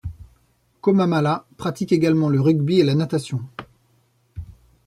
Comamala pratique également le rugby et la natation.